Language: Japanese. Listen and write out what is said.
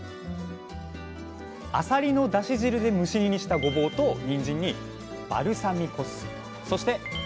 アサリのだし汁で蒸し煮にしたごぼうとにんじんにバルサミコ酢そしてアンチョビ